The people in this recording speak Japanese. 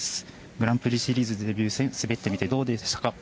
グランプリシリーズデビュー戦滑ってみてどうでしたか？